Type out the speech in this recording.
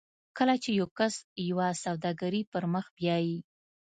کله چې یو کس یوه سوداګري پر مخ بیایي